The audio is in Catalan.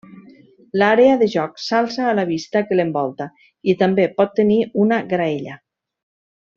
L’àrea de joc s’alça a la vista que l'envolta i també pot tenir una graella.